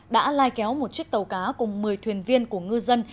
đã lai kéo một chiếc tàu cá cùng một mươi thuyền viên của ngư dân